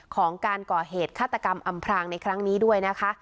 ของการก่อเหตุฆาตกรรมอำพรางในครั้งนี้ด้วยนะคะ